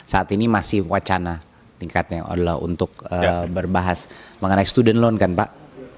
saat ini masih wacana tingkatnya adalah untuk berbahas mengenai student loan kan pak